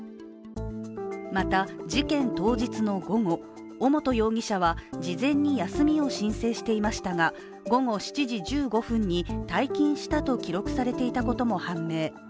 また事件当日の午後、尾本容疑者は事前に休みを申請していましたが午後７時１５分に退勤したと記録されていたことも判明。